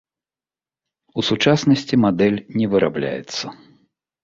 У сучаснасці мадэль не вырабляецца.